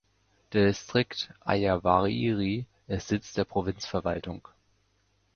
Der Distrikt Ayaviri ist Sitz der Provinzverwaltung.